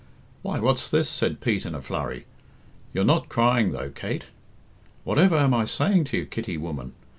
"Why, what's this?" said Pete in a flurry. "You're not crying though, Kate? Whatever am I saying to you, Kitty, woman?